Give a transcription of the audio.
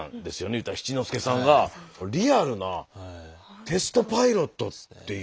言うたら七之助さんがリアルなテストパイロットっていう。